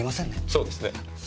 そうですね。